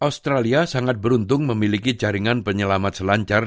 australia sangat beruntung memiliki jaringan penyelamat selancar